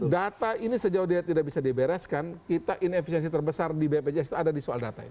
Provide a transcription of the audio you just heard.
data ini sejauh dia tidak bisa dibereskan kita inefisiensi terbesar di bpjs itu ada di soal data ini